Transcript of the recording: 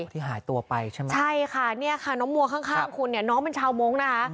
ที่หายตัวไปใช่ไหมใช่ค่ะเนี่ยค่ะน้องมัวข้างคุณเนี่ยน้องเป็นชาวมงค์นะคะ